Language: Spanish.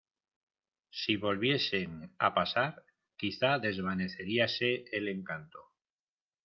si volviesen a pasar, quizá desvaneceríase el encanto.